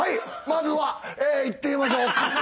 まずはえいってみましょう。